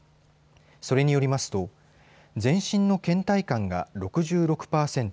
それによりますと全身のけん怠感が６６％。